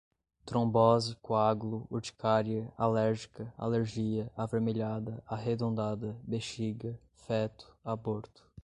trombose, coágulo, urticaria, alérgica, alergia, avermelhada, arredondada, bexiga, feto, aborto